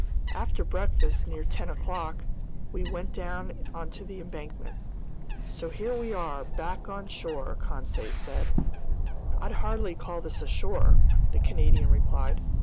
After breakfast near ten o'clock, we went down onto the embankment. "So here we are, back on shore," Conseil said. "I'd hardly call this shore," the Canadian replied.